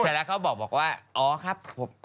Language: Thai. ใช่แล้วเขาบอกว่าอ๋อครับ